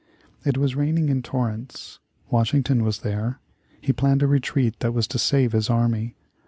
It was raining in torrents. Washington was there. He planned a retreat that was to save his army.